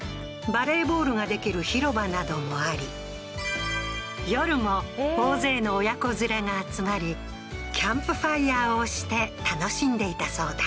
バレーボールができる広場などもあり夜も大勢の親子連れが集まりキャンプファイヤーをして楽しんでいたそうだ